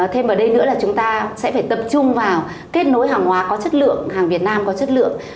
thêm vào đây nữa là chúng ta sẽ phải tập trung vào kết nối hàng hóa có chất lượng hàng việt nam có chất lượng